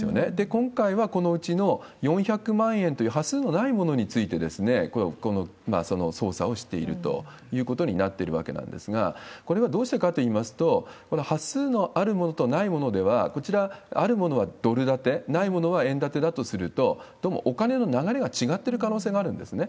今回はこのうちの４００万円という、端数のないものについて、捜査をしているということになっているわけなんですが、これはどうしてかといいますと、この端数のあるものとないものでは、こちら、あるものはドル建て、ないものは円建てだとすると、どうもお金の流れが違ってる可能性があるんですね。